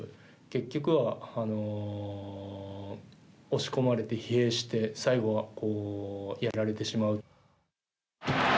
結局は押し込まれて疲弊して最後はやられてしまう。